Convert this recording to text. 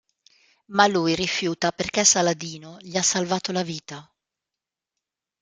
Ma lui rifiuta perché Saladino gli ha salvato la vita.